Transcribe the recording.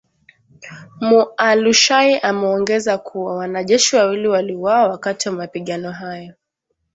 Mualushayi ameongeza kuwa wanajeshi wawili waliuawa wakati wa mapigano hayo